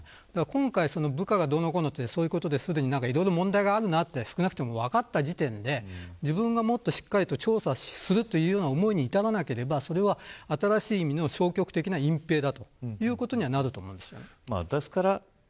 今回、部下がどうのこうのってそういうことですでに問題が少なくともあることが分かった時点で自分がもっとしっかり調査をするという気持ちに至らなければ新しい意味の消極的な隠ぺいになると思います。